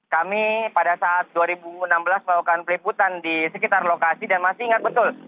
kami pada saat dua ribu enam belas melakukan peliputan di sekitar lokasi dan masih ingat betul